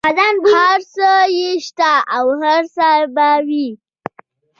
هر څه یې شته او هر څه به وي.